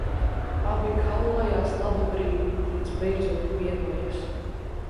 Abi kaulējas labu brīdi, līdz beidzot vienojas.